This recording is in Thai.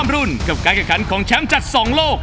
ดีกับเพลงแรก